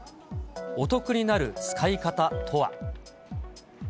お得になる使い方とは。